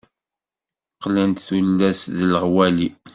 Qqlent tullas d leɣwali.